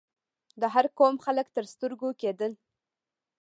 د هر قوم خلک تر سترګو کېدل.